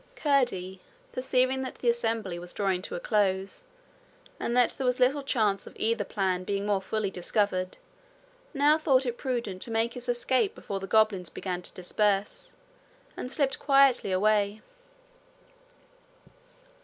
Curdie, perceiving that the assembly was drawing to a close and that there was little chance of either plan being more fully discovered, now thought it prudent to make his escape before the goblins began to disperse, and slipped quietly away.